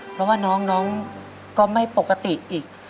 เพราะว่าน้องก็ไม่ปกติอีก